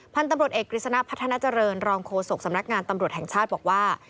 พันธุ์ตำรวจเอกกฤษณะพัฒนาเจริญรองโฆษกสำนักงานตำรวจแห่งชาติบอกว่า